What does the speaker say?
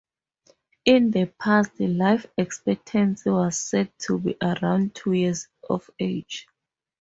In the past, life expectancy was said to be around two years of age.